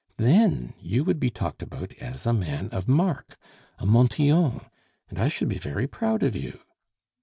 Then you would be talked about as a man of mark, a Montyon, and I should be very proud of you!